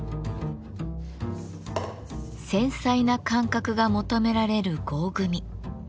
繊細な感覚が求められる合組。